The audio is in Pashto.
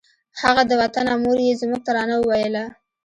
هغه د وطنه مور یې زموږ ترانه وویله